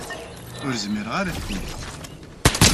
Ur zmireɣ ara ad keyyfeɣ.